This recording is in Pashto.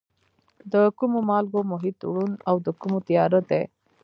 د کومو مالګو محیط روڼ او د کومو تیاره دی؟